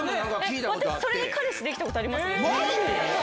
私、それで彼氏できたことありままじで？